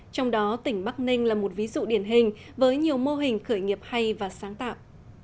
trong đó tỉnh bắc ninh là một ví dụ điển hình với nhiều mô hình khởi nghiệp hay và sáng tạo